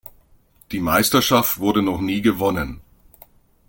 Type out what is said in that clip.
Die Meisterschaft wurde noch nie gewonnen.